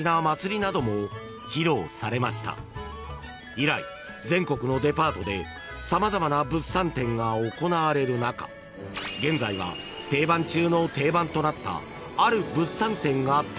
［以来全国のデパートで様々な物産展が行われる中現在は定番中の定番となった］